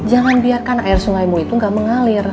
jangan biarkan air sungaimu itu nggak mengalir